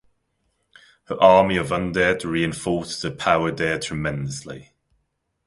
Her army of undead reinforces her power there tremendously.